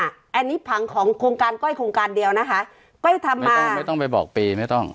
อันนี้ผังของโครงการก้อยโครงการเดียวนะคะก้อยทำเองไม่ต้องไม่ต้องไปบอกปีไม่ต้อง